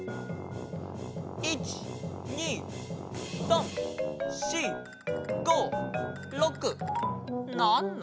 １２３４５６７？